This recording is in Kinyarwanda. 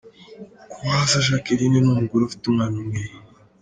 Kuwaza Jacqueline ni umugore ufite umwana umwe.